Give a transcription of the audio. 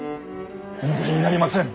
お戻りになりません！